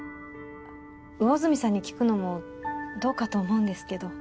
魚住さんに聞くのもどうかと思うんですけど